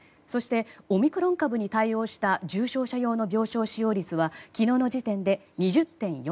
そして、オミクロン株に対応した重症者用の病床使用率は昨日の時点で２０．４％。